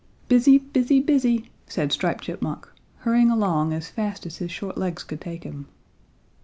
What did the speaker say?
"Busy! busy! busy!" said Striped Chipmunk, hurrying along as fast as his short legs could take him.